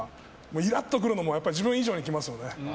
イラッと来るのも自分以上に来ますよね。